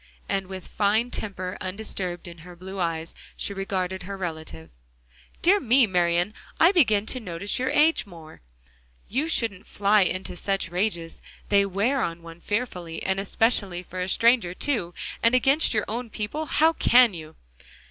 And with fine temper undisturbed in her blue eyes, she regarded her relative. "Dear me, Marian! I begin to notice your age more now. You shouldn't fly into such rages; they wear on one fearfully; and especially for a stranger too, and against your own people how can you?"